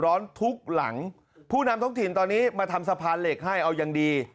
ทุกหลังผู้นำท้องถิ่นตอนนี้มาทำสะพานเหล็กให้เอายังดี